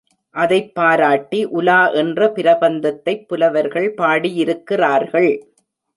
அதைப் பாராட்டி உலா என்ற பிரபந்தத்தைப் புலவர்கள் பாடியிருக்கிறார்கள்.